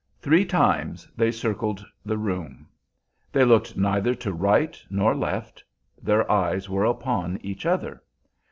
Three times they circled the room; they looked neither to right nor left; their eyes were upon each other.